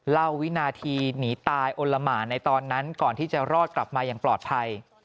วินาทีหนีตายอลละหมานในตอนนั้นก่อนที่จะรอดกลับมาอย่างปลอดภัย